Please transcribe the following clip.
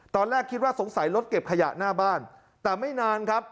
ตอนแรกคิดว่าสงสัยรถเก็บขยะหน้าบ้านแต่ไม่นานครับ